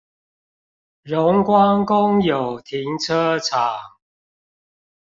榮光公有停車場